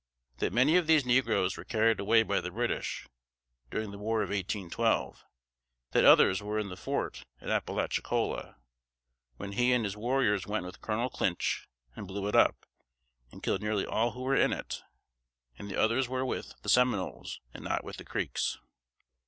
That many of these negroes were carried away by the British, during the war of 1812; that others were in the fort at Appalachicola, when he and his warriors went with Colonel Clinch and blew it up, and killed nearly all who were in it; and the others were with the Seminoles, and not with the Creeks.